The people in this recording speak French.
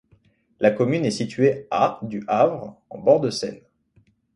La commune est située à du Havre, en bord de Seine.